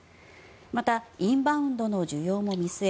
また、インバウンドの需要も見据え